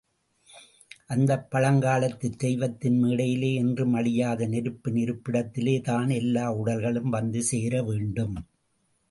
அந்தப் பழங்காலத்துத் தெய்வத்தின் மேடையிலே என்றும் அழியாத நெருப்பின் இருப்பிடத்திலே தான் எல்லா உடல்களும் வந்து சேரவேண்டும்.